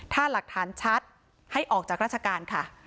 ถ้าหลักฐานชัดให้ออกจากราชการค่ะ